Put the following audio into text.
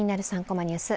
３コマニュース」